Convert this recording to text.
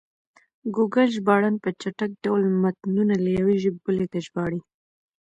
ګوګل ژباړن په چټک ډول متنونه له یوې ژبې بلې ته ژباړي.